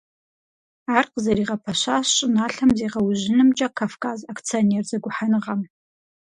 Ар къызэригъэпэщащ щӀыналъэм зегъэужьынымкӀэ «Кавказ» акционер зэгухьэныгъэм.